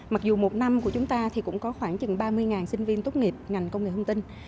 mặc dù một năm của chúng ta thì cũng có khoảng chừng ba mươi sinh viên tốt nghiệp ngành công nghệ thông tin